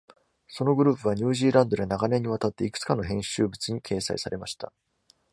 そのグループは、ニュージーランドで長年にわたっていくつかの編集物に掲載されました。